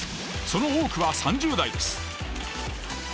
その多くは３０代です。